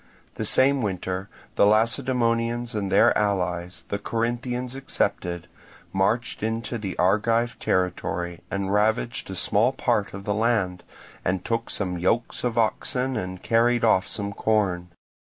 The same winter the Lacedaemonians and their allies, the Corinthians excepted, marched into the Argive territory, and ravaged a small part of the land, and took some yokes of oxen and carried off some corn.